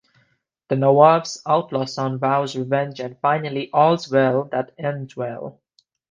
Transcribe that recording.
The nawab's outlaw son vows revenge and finally all's well that ends well.